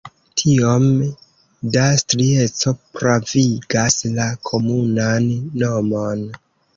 Tiom da strieco pravigas la komunan nomon.